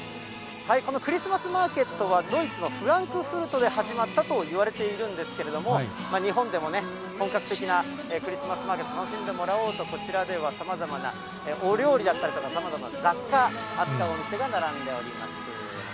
このクリスマスマーケットは、ドイツのフランクフルトで始まったといわれているんですけれども、日本でも本格的なクリスマスマーケット楽しんでもらおうと、こちらではさまざまなお料理だったりとか、さまざまな雑貨を扱うお店が並んでおります。